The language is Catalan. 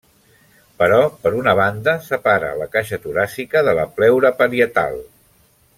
Però, per una banda, separa la caixa toràcica de la pleura parietal.